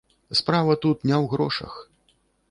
Справа тут не ў грошах.